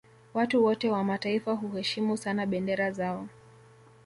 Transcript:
Watu wote wa mataifa huheshimu sana bendera zao